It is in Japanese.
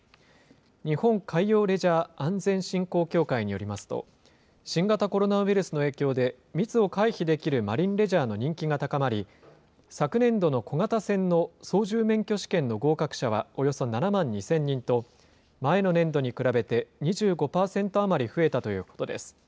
日本海洋レジャー安全・振興協会によりますと、新型コロナウイルスの影響で、密を回避できるマリンレジャーの人気が高まり、昨年度の小型船の操縦免許試験の合格者はおよそ７万２０００人と、前の年度に比べて２５％余り増えたということです。